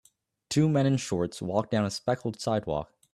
Two men in shorts walk down a speckled sidewalk